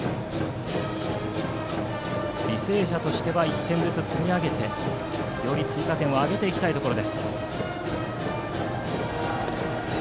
履正社としては１点ずつ積み上げてより追加点を挙げたいところ。